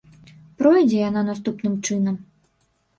Пройдзе яна наступным чынам.